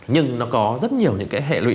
nhưng nó có rất nhiều những cái hệ lụy